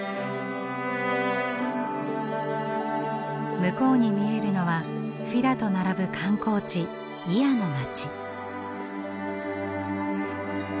向こうに見えるのはフィラと並ぶ観光地イアの街。